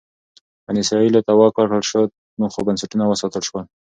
بني اسرائیلو ته واک ورکړل شو خو بنسټونه وساتل شول.